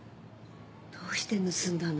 どうして盗んだの？